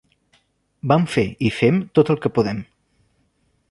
Vam fer i fem tot el que podem.